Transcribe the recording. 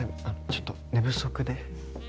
ちょっと寝不足で。